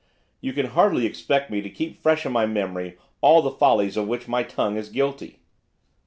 'You can hardly expect me to keep fresh in my memory all the follies of which my tongue is guilty.